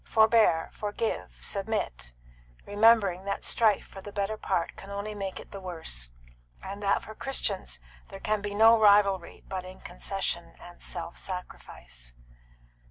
Forbear, forgive, submit, remembering that strife for the better part can only make it the worse, and that for Christians there can be no rivalry but in concession and self sacrifice."